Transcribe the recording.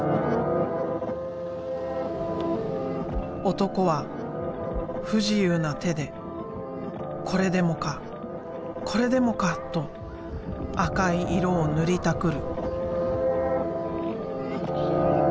男は不自由な手でこれでもかこれでもか！と赤い色を塗りたくる。